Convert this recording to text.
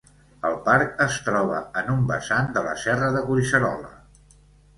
El parc es troba en un vessant de la serra de Collserola.